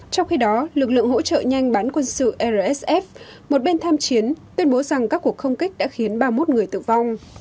trong khi đó lực lượng hỗ trợ nhanh bán quân sự rsf một bên tham chiến tuyên bố rằng các cuộc không kích đã khiến ba mươi một người tử vong